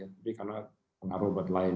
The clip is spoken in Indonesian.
tapi karena obat lain